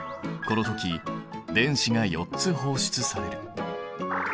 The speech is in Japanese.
この時電子が４つ放出される。